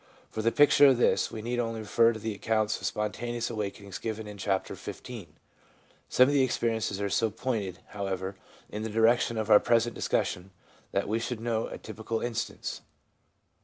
For the picture of this, we need only refer to the accounts of spontaneous awakenings given in Chapter XV. Some of the experiences are so pointed, however, in the direction of our present discussion, that we should note a typical instance.